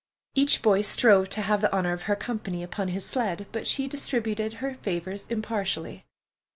Each boy strove to have the honor of her company upon his sled, but she distributed her favors impartially.